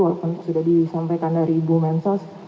walaupun sudah disampaikan dari ibu mensos